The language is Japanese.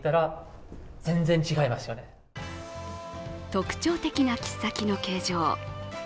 特徴的な切っ先の形状。